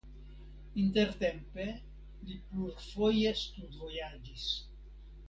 Intertempe li plurfoje studvojaĝis.